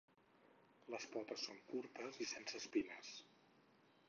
Les potes són curtes i sense espines.